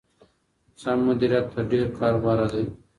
سم مديريت تر ډېر کار غوره دی.